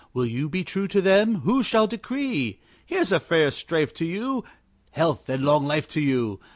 Will you be true to them? Who shall decree? Here's a fair strife to you! Health and long life to you!